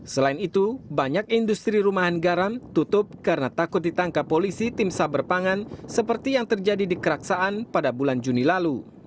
selain itu banyak industri rumahan garam tutup karena takut ditangkap polisi tim saber pangan seperti yang terjadi di keraksaan pada bulan juni lalu